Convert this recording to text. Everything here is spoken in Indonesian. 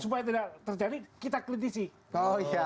supaya tidak terjadi kita kritisi